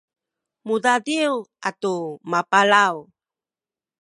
mudadiw atu mapalaw